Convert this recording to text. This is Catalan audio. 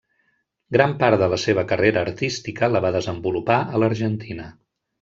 Gran part de la seva carrera artística la va desenvolupar a l'Argentina.